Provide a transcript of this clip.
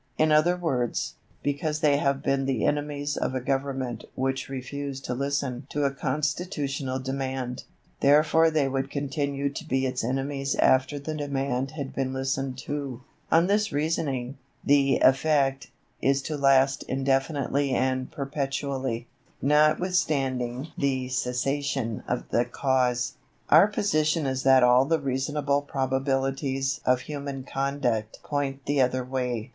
In other words, because they have been the enemies of a Government which refused to listen to a constitutional demand, therefore they would continue to be its enemies after the demand had been listened to. On this reasoning, the effect is to last indefinitely and perpetually, notwithstanding the cessation of the cause. Our position is that all the reasonable probabilities of human conduct point the other way.